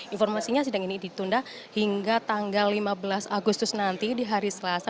informasinya sidang ini ditunda hingga tanggal lima belas agustus nanti di hari selasa